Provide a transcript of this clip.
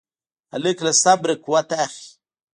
هلک له صبر نه قوت اخلي.